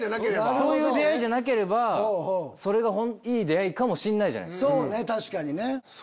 そういう出会いじゃなければそれがいい出会いかもしれない。